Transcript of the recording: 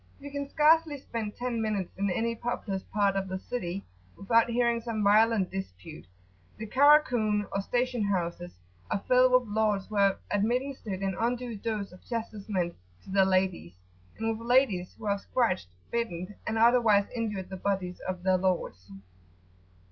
You can scarcely spend ten minutes in any populous part of the city without hearing some violent dispute. The "Karakun," or station houses, are filled with lords who have administered an undue dose of chastisement to their ladies, and with ladies who have scratched, bitten, and otherwise injured the bodies of their lords.